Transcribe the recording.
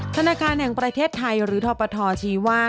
ธนาคารแห่งประเทศไทยหรือทปทชี้ว่า